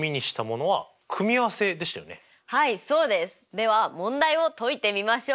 では問題を解いてみましょう！